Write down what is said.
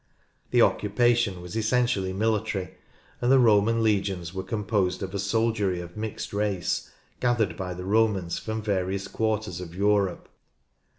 The occupation was essentially military, and the Roman legions were composed of a soldiery of mixed race gathered by the Romans from various quarters of Europe.